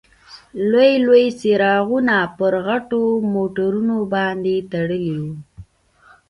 لوی لوی څراغونه پر غټو موټرونو باندې تړلي وو.